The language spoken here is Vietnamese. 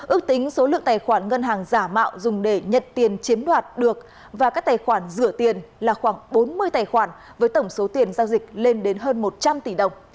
ước tính số lượng tài khoản ngân hàng giả mạo dùng để nhận tiền chiếm đoạt được và các tài khoản rửa tiền là khoảng bốn mươi tài khoản với tổng số tiền giao dịch lên đến hơn một trăm linh tỷ đồng